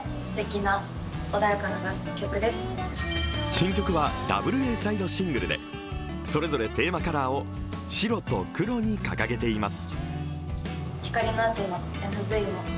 新曲はダブルＡサイドシングルで、それぞれテーマカラーを白と黒に掲げています。